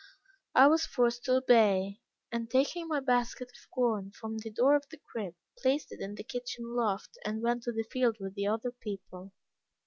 I was forced to obey, and taking my basket of corn from the door of the crib, placed it in the kitchen loft, and went to the field with the other people.